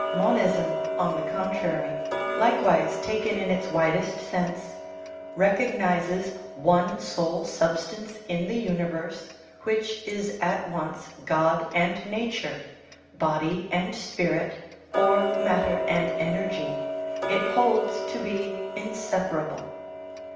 Monism, on the contrary (likewise taken in its widest sense), recognizes one sole substance in the universe, which is at once * God and nature "; body and spirit (or mat ter and energy) it holds to be inseparable.